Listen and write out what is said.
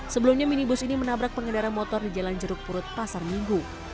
sebelumnya minibus ini menabrak pengendara motor di jalan jeruk purut pasar minggu